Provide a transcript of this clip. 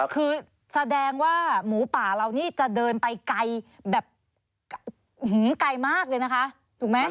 คือแสดงว่าหมูป่าเรานี่จะเดินไปไกลแบบไกลมากเลยนะคะถูกไหม